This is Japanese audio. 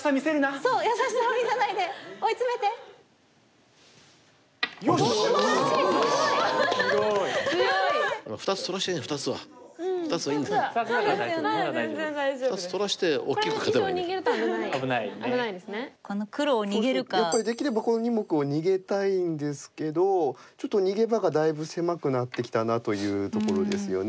そうそうやっぱりできればこの２目を逃げたいんですけどちょっと逃げ場がだいぶ狭くなってきたなというところですよね。